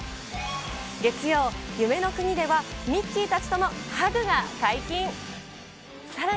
月曜、夢の国ではミッキーたちとのハグが解禁。